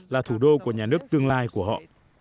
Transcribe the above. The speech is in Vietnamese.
là thủ đô của nhà nước tương lai của họ